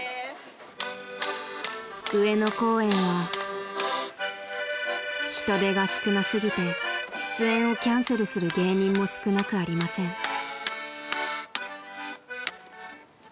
［上野公園は人出が少なすぎて出演をキャンセルする芸人も少なくありません］